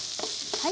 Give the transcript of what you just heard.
はい。